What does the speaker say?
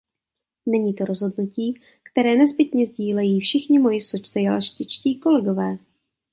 Není to rozhodnutí, které nezbytně sdílejí všichni moji socialističtí kolegové.